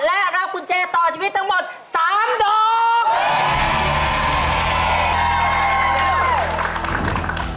และรับกุญแจต่อชีวิตทั้งหมด๓ดอก